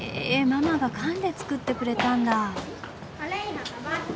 ママが缶で作ってくれたんだ。